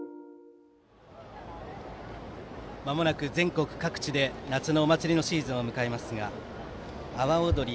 まもなく全国各地で夏のお祭りシーズンを迎えますが阿波おどり